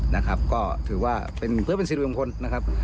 นะครับก็ถือว่าเป็นเพื่อเป็นสิริมงคลนะครับ